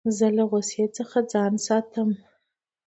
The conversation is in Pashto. زه له غوسې څخه ځان ساتم.